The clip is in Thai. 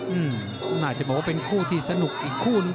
น่าจะบอกว่าเป็นคู่ที่สนุกอีกคู่นึง